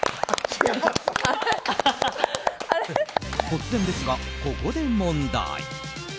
突然ですが、ここで問題。